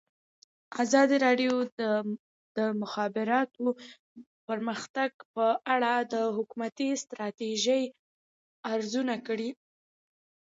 ازادي راډیو د د مخابراتو پرمختګ په اړه د حکومتي ستراتیژۍ ارزونه کړې.